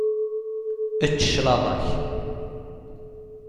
Ečč claḍa-k.